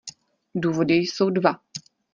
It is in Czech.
Důvody jsou dva.